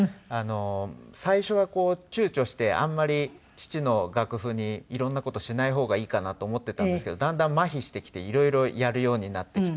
最初は躊躇してあんまり父の楽譜にいろんな事しない方がいいかなと思ってたんですけどだんだん麻痺してきていろいろやるようになってきて。